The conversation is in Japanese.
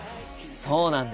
そうなんです。